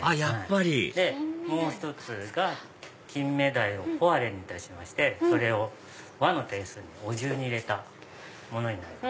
あっやっぱりもう１つがキンメダイをポワレにいたしましてそれを和のテイストにお重に入れたものになります。